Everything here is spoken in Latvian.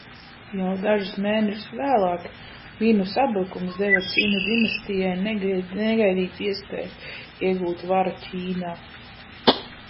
Jau dažus mēnešus vēlāk Minu sabrukums deva Cjinu dinastijai negaidītu iespēju iegūt varu Ķīnā.